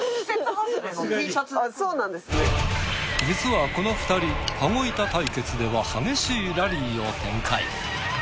実はこの２人羽子板対決では激しいラリーを展開。